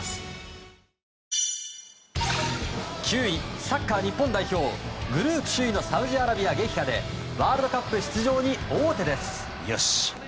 ９位、サッカー日本代表グループ首位のサウジアラビア撃破でワールドカップ出場に王手です。